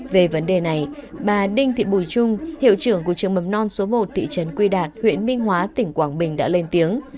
về vấn đề này bà đinh thị bùi trung hiệu trưởng của trường mầm non số một thị trấn quy đạt huyện minh hóa tỉnh quảng bình đã lên tiếng